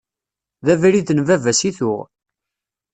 D abrid n baba-s i tuɣ.